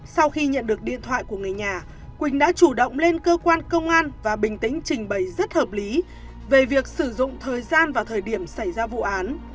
sau khi nhận được điện thoại của người nhà quỳnh đã chủ động lên cơ quan công an và bình tĩnh trình bày rất hợp lý về việc sử dụng thời gian vào thời điểm xảy ra vụ án